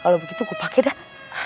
kalau begitu gue pakai dah